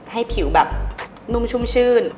ให้ผิวแบบนุ่มชุ่มชื่น